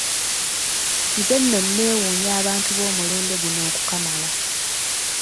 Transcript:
Nze nno neewuunya abantu b'omulembe guno okukamala.